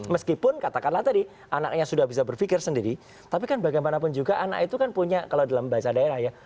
meskipun katakanlah tadi anaknya sudah bisa berpikir sendiri tapi kan bagaimanapun juga anak itu kan punya kalau dalam bahasa daerah ya